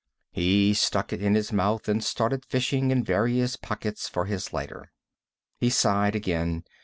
He stuck it in his mouth and started fishing in various pockets for his lighter. He sighed again.